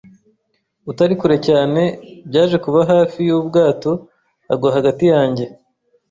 utari kure cyane, byaje kuba hafi yubwato agwa hagati yanjye